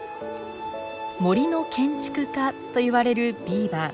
森の建築家といわれるビーバー。